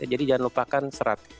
jadi jangan lupakan serat